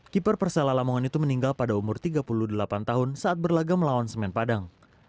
keeper persela lamongan itu meninggal pada umur tiga puluh delapan tahun saat berlaga melawan semen padang